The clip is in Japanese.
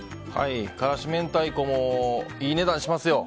辛子明太子もいい値段しますよ。